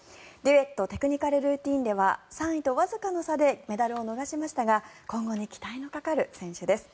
デュエット・テクニカルルーティンでは３位とわずかの差でメダルを逃しましたが今後に期待のかかる選手です。